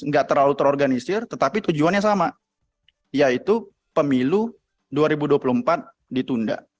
tidak terlalu terorganisir tetapi tujuannya sama yaitu pemilu dua ribu dua puluh empat ditunda